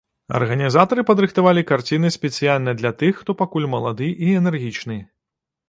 Арганізатары падрыхтавалі карціны спецыяльна для тых, хто пакуль малады і энергічны.